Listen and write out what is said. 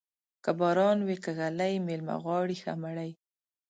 که باران وې که ږلۍ، مېلمه غواړي ښه مړۍ.